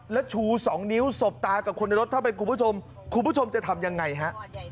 แล้วชูสองนิ้วสบตากับคนในรถถ้าเป็นคุณผู้ชมคุณผู้ชมจะทำยังไงฮะ